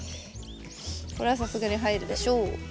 これはさすがに入るでしょう。